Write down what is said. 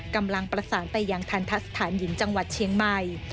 กำลังประสานไปยังทันทะสถานหญิงจังหวัดเชียงใหม่